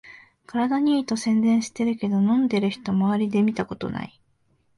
体にいいと宣伝してるけど、飲んでる人まわりで見たことない